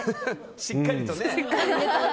しっかりとね。